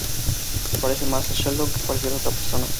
Se parece más a Sheldon que cualquier otra persona.